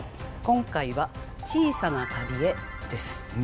今回は「小さな旅へ」です。